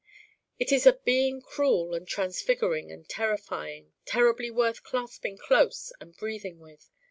It is a being cruel and transfiguring and terrifying: terribly worth clasping close and breathing with.